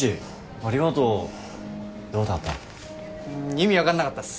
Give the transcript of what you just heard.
意味分かんなかったっす。